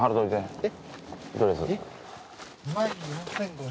えっ。